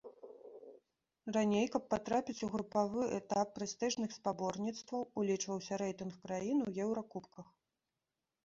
Раней, каб патрапіць у групавы этап прэстыжных спаборніцтваў, улічваўся рэйтынг краін у еўракубках.